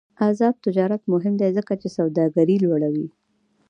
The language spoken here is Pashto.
آزاد تجارت مهم دی ځکه چې سوداګري لوړوي.